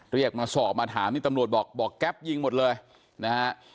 เรียกมาสอบมาถามนี่ตำรวจบอกบอกแก๊ปยิงหมดเลยนะฮะ